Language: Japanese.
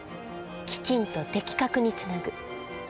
きちんと的確につなぐ。